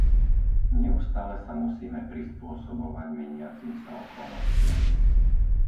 Neustále sa musíme prispôsobovať meniacim sa okolnostiam.